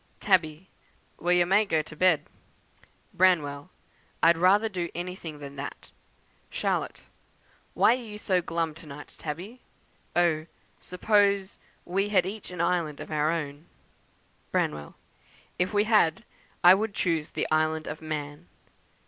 "Tabby. 'Wha ya may go t' bed.' "Branwell. 'I'd rather do anything than that.' "Charlotte. 'Why are you so glum to night, Tabby? Oh! suppose we had each an island of our own.' "Branwell. 'If we had I would choose the Island of Man.'